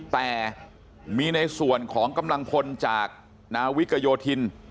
แต่มีในส่วนของกำลังพลจากนาวิกโยธิน